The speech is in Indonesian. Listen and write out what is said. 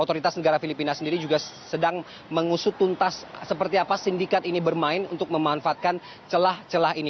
otoritas negara filipina sendiri juga sedang mengusut tuntas seperti apa sindikat ini bermain untuk memanfaatkan celah celah ini